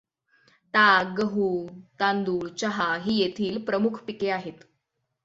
ताग, गहू, तांदूळ, चहा ही येथील प्रमुख पिके आहेत.